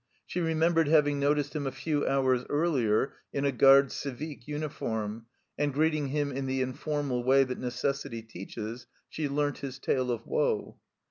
She remembered having noticed him a few hours earlier in a garde civique uniform, and greeting him in the informal way that necessity teaches, she learnt his tale of woe.